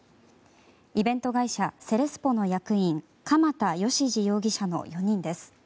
イベント会社セレスポの役員鎌田義次容疑者の４人です。